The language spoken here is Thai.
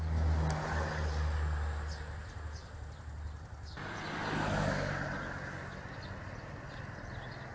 สวัสดีครับสวัสดีครับ